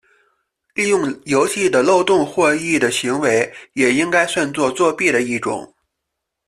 利用游戏的漏洞获益的行为也应该算作作弊的一种。